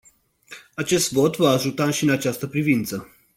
Acest vot va ajuta și în această privință.